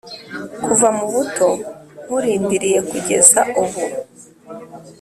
Kuva mubuto nkurindiriye kugeza ubu